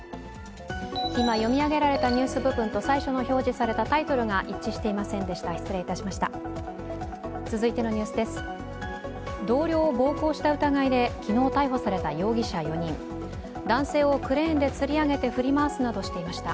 今、読み上げられたニュース部分と最初に表示されたタイトルが一致していませんでした、失礼いたしました。